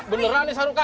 beneran nih sarukan